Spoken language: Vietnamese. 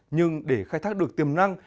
nhưng để khai thác được tiềm năng